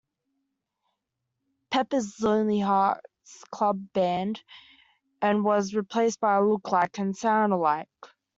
Pepper's Lonely Hearts Club Band and was replaced by a look-alike and sound-alike.